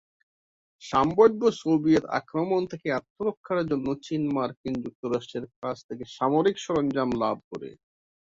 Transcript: সম্ভাব্য সোভিয়েত আক্রমণ থেকে আত্মরক্ষার জন্য চীন মার্কিন যুক্তরাষ্ট্রের কাছ থেকে সামরিক সরঞ্জাম লাভ করে।